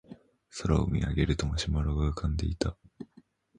空を見上げるとマシュマロが浮かんでいた